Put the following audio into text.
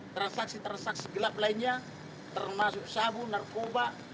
transaksi transaksi gelap lainnya termasuk sabu narkoba